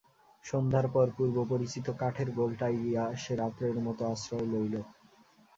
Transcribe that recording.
সন্ধ্যার পর পূর্ব-পরিচিত কাঠের গোলটায় গিয়া সে রাত্রের মতো আশ্রয় লইল।